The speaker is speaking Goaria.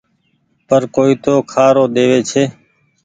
پر ڪوئي تو کآرو ۮيوي ڇي۔